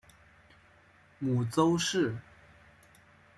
母邹氏。